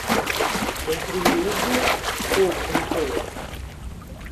comprimidos ou ampolas